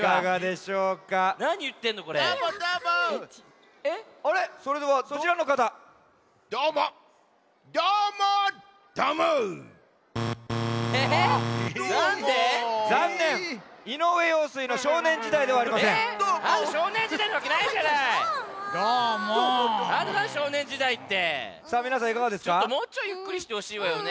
ちょっともうちょいゆっくりしてほしいわよね。